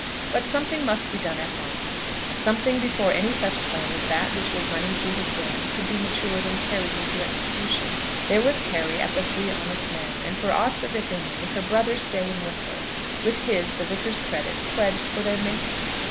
But something must be done at once, something before any such plan as that which was running through his brain could be matured and carried into execution. There was Carry at the Three Honest Men, and, for aught the Vicar knew, her brother staying with her, with his, the Vicar's credit, pledged for their maintenance.